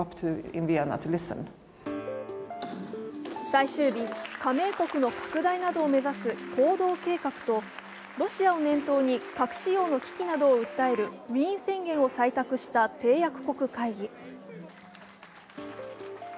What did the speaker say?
最終日、加盟国の拡大などを目指す行動計画と、ロシアを念頭に核使用の危機などを訴えるウィーン宣言を採択した締約国会議。